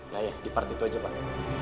ya di part itu aja pak